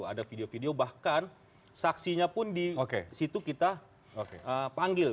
ada video video bahkan saksinya pun di situ kita panggil